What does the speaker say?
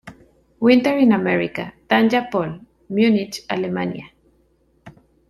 Winter in America, Tanja Pol, Munich, Alemania.